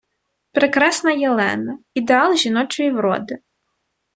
Прекрасна Єлена - ідеал жіночої вроди